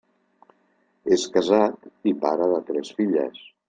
És casat i pare de tres filles.